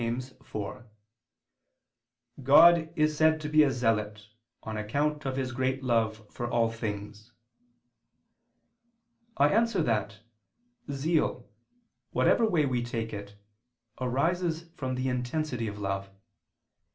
iv): "God is said to be a zealot, on account of his great love for all things." I answer that, Zeal, whatever way we take it, arises from the intensity of love.